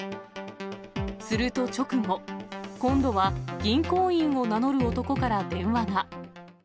すると直後、今度は、銀行員を名乗る男から電話が。